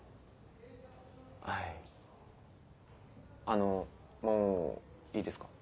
あのもういいですか？